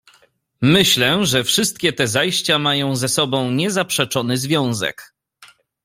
"Myślę, że wszystkie te zajścia mają ze sobą niezaprzeczony związek."